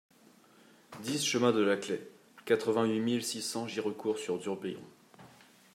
dix chemin de la Claye, quatre-vingt-huit mille six cents Girecourt-sur-Durbion